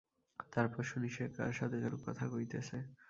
তারপর শুনি সে কার সাথে যেন কথা কইতেছে।